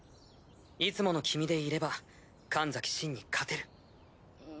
いつもの君でいれば神崎シンに勝てる。